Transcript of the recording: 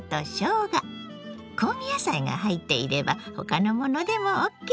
香味野菜が入っていれば他のものでもＯＫ。